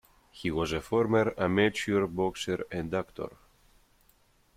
He was former amateur boxer and actor.